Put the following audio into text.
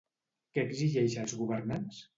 Què exigeix als governants?